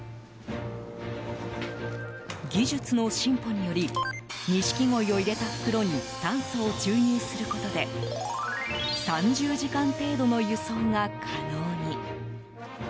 技術の進歩によりニシキゴイを入れた袋に酸素を注入することで３０時間程度の輸送が可能に。